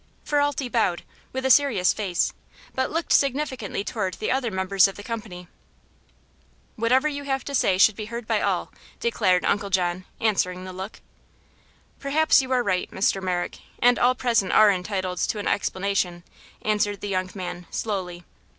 Ferralti bowed, with a serious face, but looked significantly toward the other members of the company. "Whatever you have to say should be heard by all," declared Uncle John, answering the look. "Perhaps you are right, Mr. Merrick, and all present are entitled to an explanation," answered the young man, slowly.